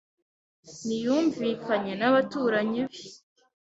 ntiyumvikanye n’abaturanyi be.